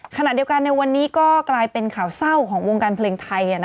ขณะเดียวกันในวันนี้ก็กลายเป็นข่าวเศร้าของวงการเพลงไทย